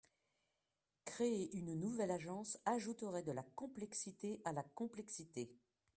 Créer une nouvelle agence ajouterait de la complexité à la complexité.